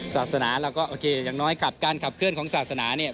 ศาสนาเราก็โอเคอย่างน้อยกับการขับเคลื่อนของศาสนาเนี่ย